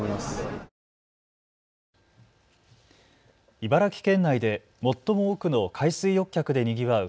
茨城県内で最も多くの海水浴客でにぎわう